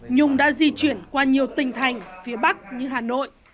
nhung đã di chuyển qua nhiều tỉnh thành phía bắc như hà nội